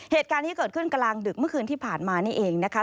เหตุการณ์นี้เกิดขึ้นกลางดึกเมื่อคืนที่ผ่านมานี่เองนะคะ